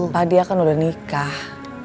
pak dia kan udah nikah